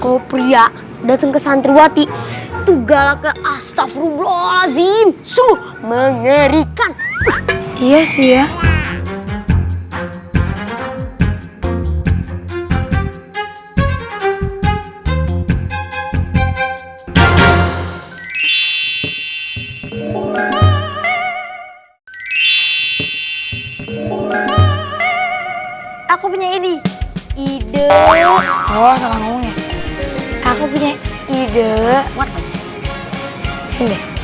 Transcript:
kau pria datang ke santriwati tugas astagfirullah zim suruh mengerikan iya sih ya